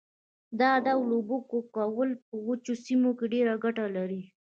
دا ډول اوبه کول په وچو سیمو کې ډېره ګټه لري.